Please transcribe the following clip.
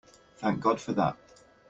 Thank God for that!